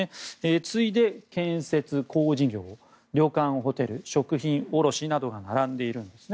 次いで建設・工事業旅館・ホテル、食品卸などが並んでいるんですね。